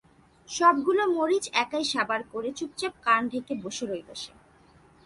সবগুলো মরিচ একাই সাবাড় করে চুপচাপ কান ঢেকে বসে রইল সে।